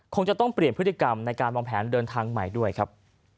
คงจะต้องเปลี่ยนพฤติกรรมในการวางแผนเดินทางใหม่ด้วยครับ